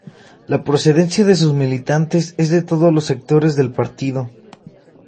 La procedencia de sus militantes es de todos los sectores del Partido.